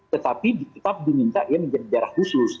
tetapi tetap diminta menjadi biara khusus